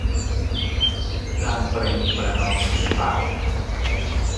การประนีประนอมสูญเปล่า